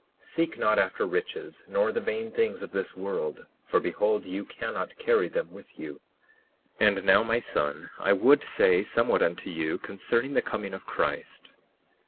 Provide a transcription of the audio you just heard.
39:14 Seek not after riches nor the vain things of this world; for behold, you cannot carry them with you. 39:15 And now, my son, I would say somewhat unto you concerning the coming of Christ.